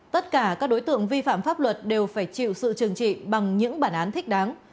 tất cả các đối tượng vi phạm pháp luật đều phải chịu sự trừng trị bằng những bản án thích đáng